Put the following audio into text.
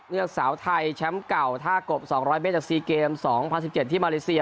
เลือดสาวไทยแชมป์เก่าท่ากบ๒๐๐เมตรจาก๔เกม๒๐๑๗ที่มาเลเซีย